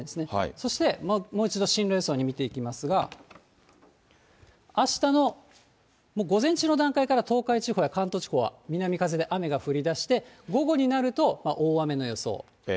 そして、もう一度進路予想を見ていきますが、あしたの午前中の段階から東海地方や関東地方は南風で雨が降りだして、午後になると、大雨の予想。